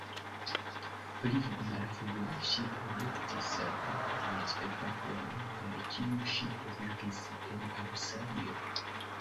Pli malfrue ŝi produktis propran spektaklon, per kiu ŝi prezentis en Aŭstralio.